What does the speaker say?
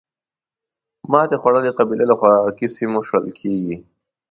ماتې خوړلې قبیله له خوراکي سیمو شړل کېږي.